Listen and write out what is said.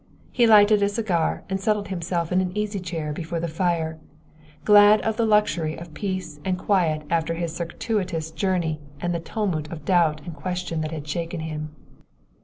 He lighted a cigar and settled himself in an easy chair before the fire, glad of the luxury of peace and quiet after his circuitous journey and the tumult of doubt and question that had shaken him.